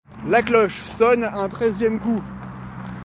La cloche sonna un treizième coup.